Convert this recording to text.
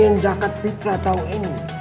ingin zakat fitrah tahun ini